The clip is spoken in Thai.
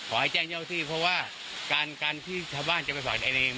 ขอให้แจ้งเจ้าที่เพราะว่าการการที่ชาวบ้านจะไปฝากเอง